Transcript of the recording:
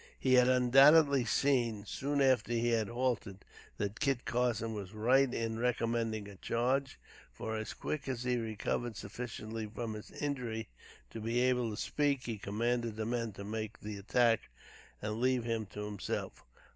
He had undoubtedly seen, soon after he had halted, that Kit Carson was right in recommending a charge; for, as quick as he recovered sufficiently from his injury to be able to speak, he commanded the men to make the attack, and leave him to himself.